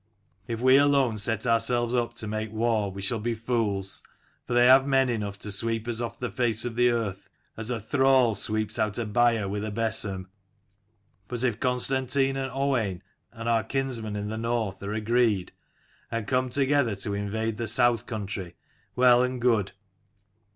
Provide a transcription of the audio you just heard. If we alone set ourselves up to make war we shall be fools : for they have men enough to sweep us off the face of the earth, as a thrall sweeps out a byre with a besom. But if Constantine and Owain and our kinsmen in the north are agreed, and come together to invade the south country, well and good.